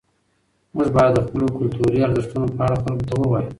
موږ باید د خپلو کلتوري ارزښتونو په اړه خلکو ته ووایو.